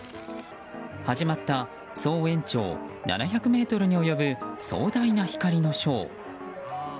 始まった、総延長７００ｍに及ぶ壮大な光のショー。